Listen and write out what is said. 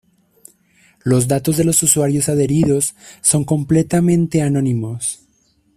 Los datos de los usuarios adheridos son completamente anónimos.